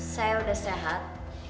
saya udah sehat